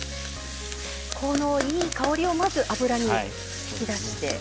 このいい香りをまず油に引き出して。